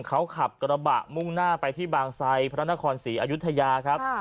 เขาขับกระบะมุ่งหน้าไปที่บางไซดพระนครศรีอายุทยาครับ